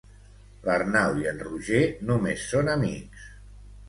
L'Arnau i en Roger només són amics.